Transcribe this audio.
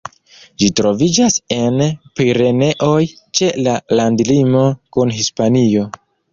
Ĝi troviĝas en Pireneoj, ĉe la landlimo kun Hispanio.